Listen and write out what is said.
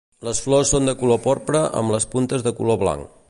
Les flors són de color porpra amb les puntes de color blanc.